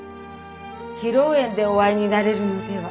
披露宴でお会いになれるのでは。